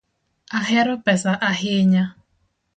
Ahero pesa ahinya